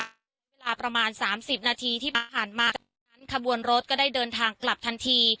เวลาประมาณสามสิบนาทีที่ผ่านมานั้นขบวนรถก็ได้เดินทางกลับทันที